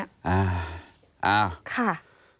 อ่าค่ะ